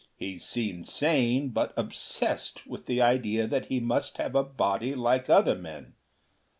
He seemed sane, but obsessed with the idea that he must have a body like other men.